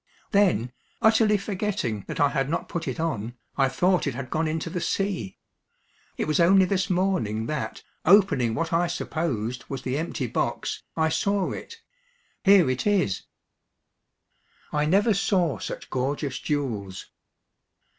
Then, utterly forgetting that I had not put it on, I thought it had gone into the sea. It was only this morning that, opening what I supposed was the empty box, I saw it. Here it is." I never saw such gorgeous jewels.